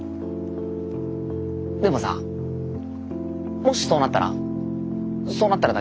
でもさもしそうなったらそうなったらだけど。